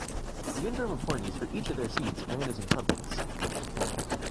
The interim appointees for each of their seats ran as incumbents.